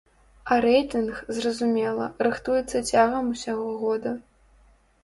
А рэйтынг, зразумела, рыхтуецца цягам усяго года.